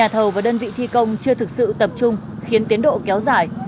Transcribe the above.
thi công chưa thực sự tập trung khiến tiến độ kéo dài